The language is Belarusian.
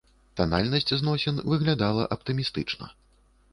Танальнасць зносін выглядала аптымістычна.